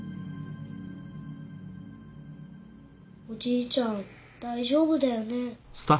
おじいちゃん大丈夫だよね？